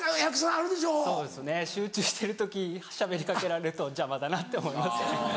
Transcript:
集中してる時しゃべりかけられると邪魔だなって思いますね。